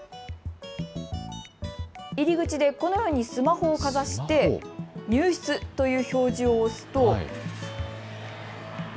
入り口でこのようにスマホをかざして入室という表示を押すと。